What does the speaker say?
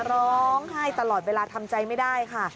ร้องไห้ตลอดเวลาทำใจไม่ได้ค่ะ